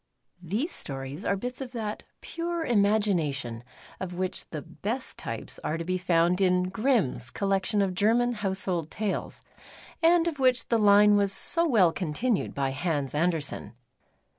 THESE stories are bits of that pure imagina tion of which the best t\ pes are to be found in Grimm's Collection of German Household Tales, and of which the line was so well continued by Hans Andersen.